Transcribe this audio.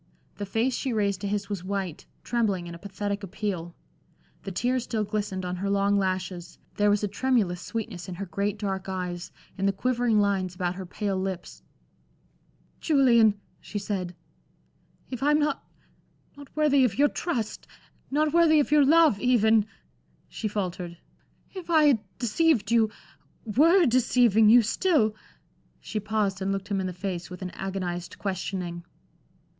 The face she raised to his was white, trembling in a pathetic appeal. The tears still glistened on her long lashes, there was a tremulous sweetness in her great dark eyes, in the quivering lines about her pale lips. "Julian," she said, "if I'm not not worthy of your trust not worthy of your love, even" she faltered "if I had deceived you were deceiving you still" she paused and looked him in the face with an agonized questioning.